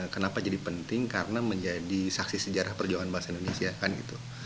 kenapa jadi penting karena menjadi saksi sejarah perjuangan bahasa indonesia kan gitu